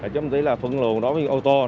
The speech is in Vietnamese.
chống tí phân lượng đối với ô tô